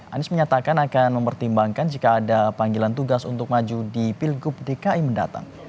anies menyatakan akan mempertimbangkan jika ada panggilan tugas untuk maju di pilgub dki mendatang